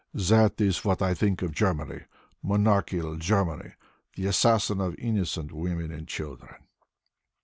"That is what I think of Germany, monarchial Germany, the assassin of innocent women and children."